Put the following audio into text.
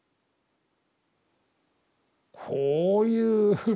こういう。